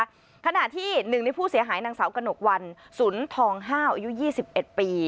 เจ้าหน้าที่หนึ่งในผู้เสียหายนางเสากระหนกวันศูนย์ทองห้าวอายุ๒๑ปี